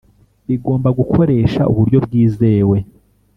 bigomba gukoresha uburyo bwizewe